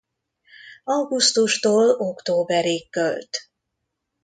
Augusztustól októberig költ.